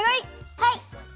はい。